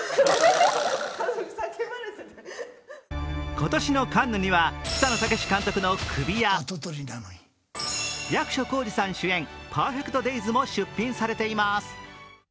今年のカンヌには北野武監督の「首」や役所広司さん主演「ＰｅｒｆｅｃｔＤａｙｓ」も出品されています。